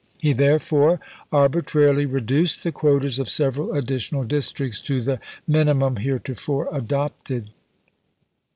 He therefore arbitrarily reduced the quotas of several additional districts to the mini mum heretofore adopted.